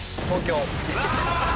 東京。